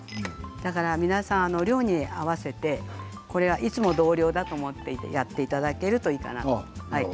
皆さん量に合わせていつも同量だと思ってやっていただけるといいかなと。